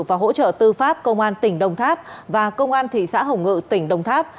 và hỗ trợ tư pháp công an tỉnh đồng tháp và công an thị xã hồng ngự tỉnh đồng tháp